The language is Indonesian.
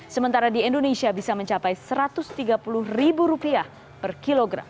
sementara di indonesia bisa mencapai rp satu ratus tiga puluh per kilogram